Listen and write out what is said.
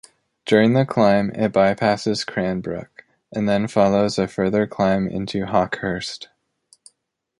During the climb it bypasses Cranbrook; and then follows a further climb into Hawkhurst.